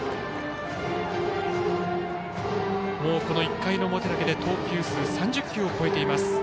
この１回の表だけで投球数３０球を超えています。